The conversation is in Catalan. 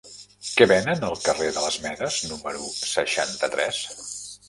Què venen al carrer de les Medes número seixanta-tres?